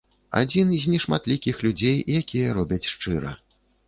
Адзін з нешматлікіх людзей, якія робяць шчыра.